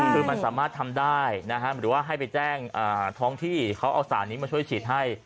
คือมันสามารถทำได้หรือว่าให้ไปแจ้งท้องที่เขาเอาสารนี้มาช่วยฉีดให้